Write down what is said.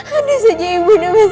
ada saja kalian ada di sini